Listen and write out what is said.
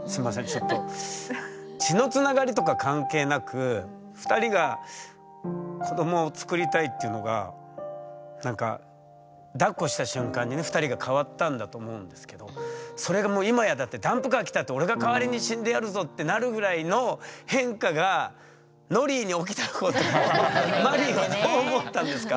ちょっと血のつながりとか関係なく２人が子どもをつくりたいっていうのがなんかだっこした瞬間にね２人が変わったんだと思うんですけどそれがもう今やだって「ダンプカーきたって俺が代わりに死んでやるぞ」ってなるぐらいの変化がノリーに起きたことをマリーがどう思ったんですか？